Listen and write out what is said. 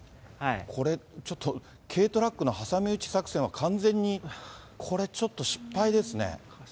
これ、ちょっと軽トラックの挟み撃ち作戦は、完全に、これちょっと、失敗ですね。